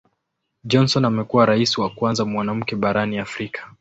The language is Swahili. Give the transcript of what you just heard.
Johnson amekuwa Rais wa kwanza mwanamke barani Afrika.